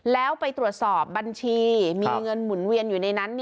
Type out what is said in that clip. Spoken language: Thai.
แล้วไปตรวจสอบบัญชีมีเงินหมุนเวียนอยู่ในนั้น